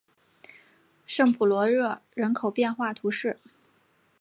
圣普罗热人口变化图示